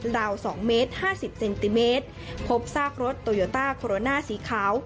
ลาว๒เมตร๕๐เซนติเมตรพบซากรถโตโยต้าโคโรนาสีขาว